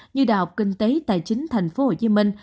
như đại học kinh tế tài chính thành phố hồ chí minh